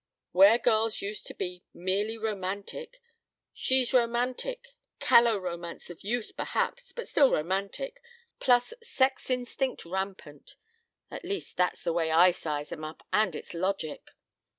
Where girls used to be merely romantic, she's romantic callow romance of youth, perhaps, but still romantic plus sex instinct rampant. At least that's the way I size 'em up, and its logic.